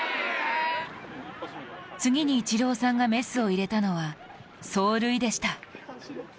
次にイチローさんがメスを入れたのは走塁でした。